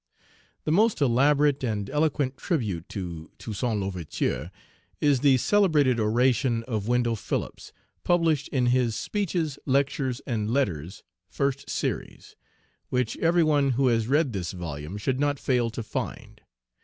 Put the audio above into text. THE most elaborate and eloquent tribute to Toussaint L'Ouverture is the celebrated oration of Wendell Phillips, published in his "Speeches, Lectures, and Letters" (first series), which every one who has read this volume should not fail to find.